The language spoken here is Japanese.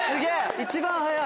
一番早い。